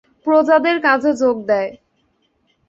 প্রজাদের কাজে যোগ দেয়।